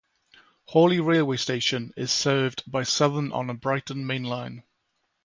Horley railway station is served by Southern on the Brighton Main Line.